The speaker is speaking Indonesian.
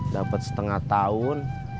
dapet setengah tahun